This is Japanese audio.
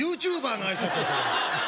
ＹｏｕＴｕｂｅｒの挨拶やそれ